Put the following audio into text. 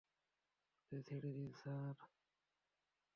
ওদের ছেড়ে দিন, স্যার।